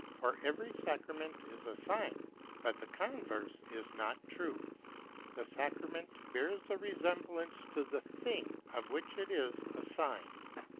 For every sacrament is a sign, but the converse is not true. A sacrament bears a resemblance to the thing, of which it is a sign.